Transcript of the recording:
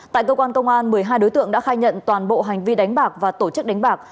tại cơ quan công an một mươi hai đối tượng đã khai nhận toàn bộ hành vi đánh bạc và tổ chức đánh bạc